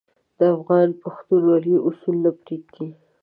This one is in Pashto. افغان د پښتونولي اصول نه پرېږدي.